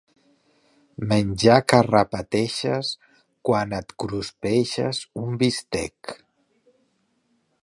Menjar que repeteixes quan et cruspeixes un bistec.